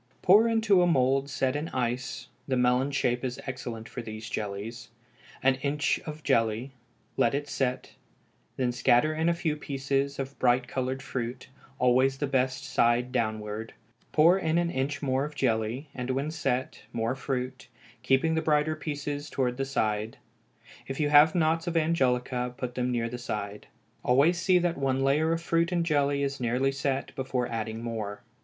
Pour into a mould set in ice (the melon shape is excellent for these jellies) an inch of jelly, let it set; then scatter in a few pieces of bright colored fruit, always the best side downward; pour in an inch more of jelly, and when set more fruit, keeping the brighter pieces towards the side; if you have knots of angelica, put them near the side. Always see that one layer of fruit and jelly is nearly set before adding more.